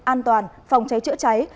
an toàn phòng cháy chữa cháy